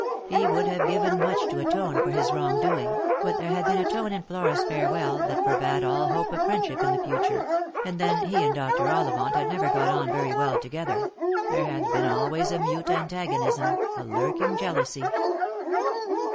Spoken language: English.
He would have given much to atone for his wrong doing, but there had been a tone in Flora's farewell that forbade all hope of friendship in the future ; and then he and Dr. Ollivant had never got on very well together ; there had been always a mute antagonism, a lurking jealousy.